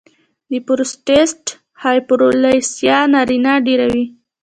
د پروسټیټ هایپرپلاسیا نارینه ډېروي.